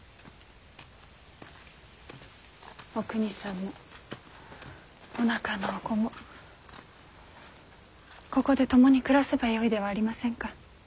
おくにさんもおなかのお子もここで共に暮らせばよいではありませんか。